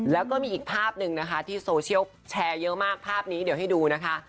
แล้วก็มีอีกภาพหนึ่งนะคะที่โซเชียลแชร์เยอะมากภาพนี้เดี๋ยวให้ดูนะคะ